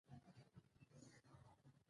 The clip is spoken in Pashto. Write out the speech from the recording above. شاته مي کښېنه !